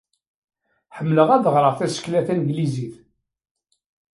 Ḥemmleɣ ad ɣreɣ tasekla tanglizit.